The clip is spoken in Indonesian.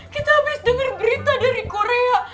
kita abis denger berita dari korea